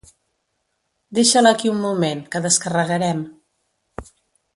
Deixa-la aquí un moment, que descarregarem.